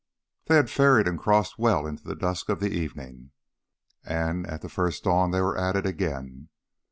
They had ferried and crossed well into the dusk of the evening. And at the first dawn they were at it again.